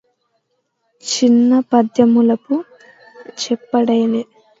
చిన్న పద్యమప్ప జెప్పలేడు